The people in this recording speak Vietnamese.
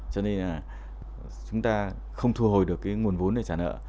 cho nên là chúng ta không thu hồi được cái nguồn vốn để trả nợ